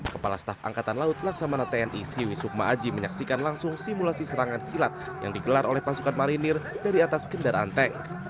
kepala staf angkatan laut laksamana tni siwi sukma aji menyaksikan langsung simulasi serangan kilat yang digelar oleh pasukan marinir dari atas kendaraan tank